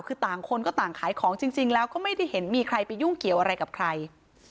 คือต่างคนก็ต่างขายของจริงแล้วก็ไม่ได้เห็นมีใครไปยุ่งเกี่ยวอะไรกับใคร